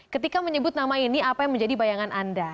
ketika menyebut nama ini apa yang menjadi bayangan anda